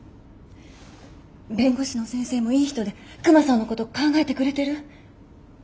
弁護士の先生もいい人でクマさんのこと考えてくれてる。